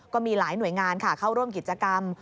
ก็มีหลายหน่วยงานค่ะเข้าร่วมกิจกรรม